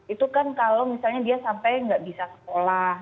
itu kan kalau misalnya dia sampai nggak bisa sekolah